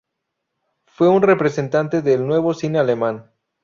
Fue un representante del Nuevo cine alemán.